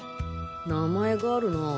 名前があるな。